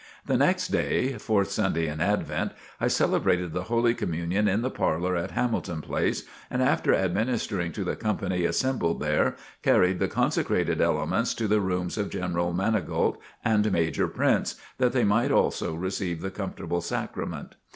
The next day, (Fourth Sunday in Advent,) I celebrated the Holy Communion in the parlor at Hamilton Place, and after administering to the company assembled there, carried the consecrated elements to the rooms of General Manigault and Major Prince, that they might also receive the Comfortable Sacrament.